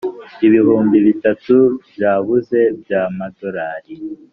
ibihumbi bitatu byabuze bya madorari